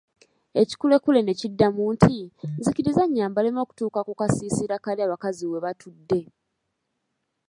Ekikulekule ne kiddamu nti, nzikiriza nnyambalemu okutuuka ku kasiisira kali abakazi we batudde.